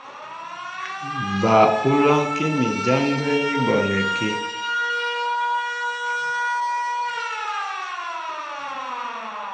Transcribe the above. Ba ú lánkí mi ján gwɛ́ ní bonɛkí.